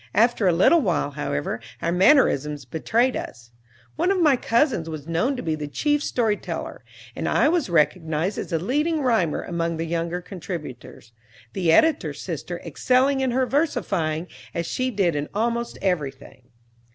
After a little while, however, our mannerisms betrayed us. One of my cousins was known to be the chief story teller, and I was recognized as the leading rhymer among the younger contributors; the editor sister excelling in her versifying, as she did in almost everything.